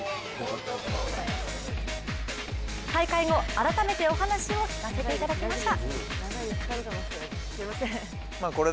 大会後、改めてお話を聞かせていただきました。